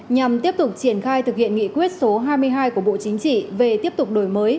nhằm tiếp tục triển khai thực hiện nghị quyết số hai mươi hai của bộ chính trị về tiếp tục đổi mới